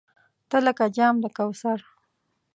تۀ لکه جام د کوثر !